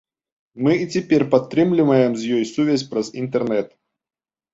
Мы і цяпер падтрымліваем з ёй сувязь праз інтэрнэт.